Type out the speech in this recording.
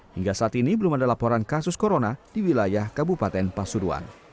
hingga saat ini belum ada laporan kasus corona di wilayah kabupaten pasuruan